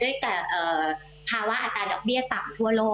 ด้วยแต่ภาวะอัตราดอกเบี้ยต่ำทั่วโลก